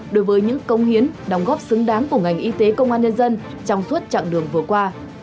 đối với những công hiến đồng góp xứng đáng của ngành y tế công an nhân dân trong suốt chặng đường vừa qua